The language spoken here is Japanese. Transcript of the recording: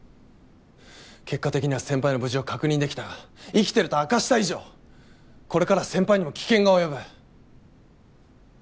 結果的には先輩の無事を確認できたが生きていると明かした以上これからは先輩にも危険が及ぶ。